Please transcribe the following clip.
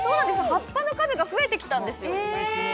葉っぱの数が増えてきたんですよ